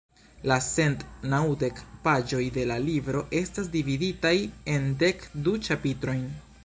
La cent naŭdek paĝoj de la libro estas dividitaj en dek du ĉapitrojn.